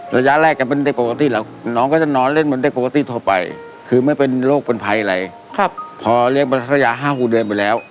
พอเรียกปร่าสระยา๕ปีเดือนไปแล้ว